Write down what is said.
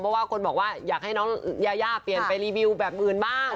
เพราะว่าคนบอกว่าอยากให้น้องยายาเปลี่ยนไปรีวิวแบบอื่นบ้าง